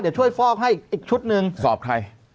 เดี๋ยวช่วยฟอกให้อีกชุดหนึ่งสอบใคร